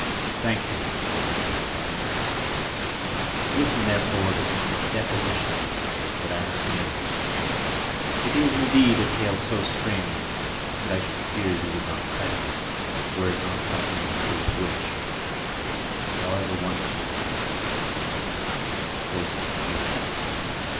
"I thank you," replied I; "listen, therefore, to the deposition that I have to make. It is indeed a tale so strange that I should fear you would not credit it were there not something in truth which, however wonderful, forces conviction.